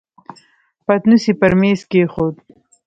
پتنوس يې پر مېز کېښود.